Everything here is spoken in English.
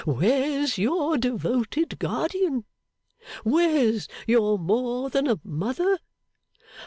Where's your devoted guardian? Where's your more than mother?